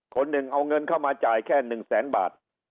คนหนึ่งเอาเงินเข้ามาจ่ายแค่๑แสนบาท